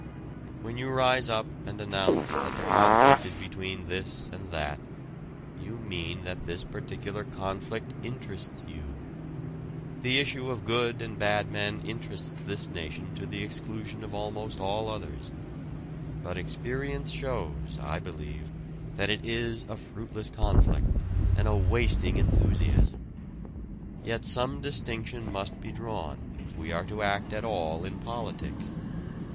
When you rise up and announce that the conflict is between this and that, you mean that this particular conflict interests you. The issue of good and bad men interests this nation to the exclusion of almost all others. But experience shows, I believe, that it is a fruitless conflict and a wasting enthusiasm. Yet some distinction must be drawn if we are to act at all in politics.